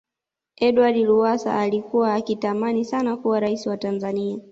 edward lowasa alikuwa akitamani sana kuwa raisi wa tanzania